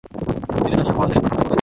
তিনি দর্শকমহল থেকে প্রশংসা কুড়িয়েছেন।